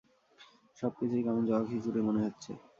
সবকিছুই কেমন জগাখিচুরি মনে হচ্ছে।